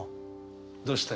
どうした？